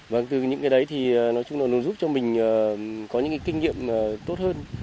và từ những cái đấy thì nói chung là nó giúp cho mình có những cái kinh nghiệm tốt hơn